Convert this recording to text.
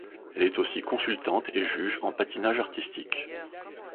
Elle est aussi consultante et juge en patinage artistique.